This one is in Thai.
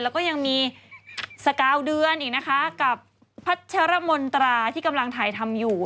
แล้วก็ยังมีสกาวเดือนอีกนะคะกับพัชรมนตราที่กำลังถ่ายทำอยู่